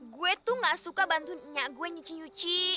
gue tuh nggak suka bantu minyak gue nyuci nyuci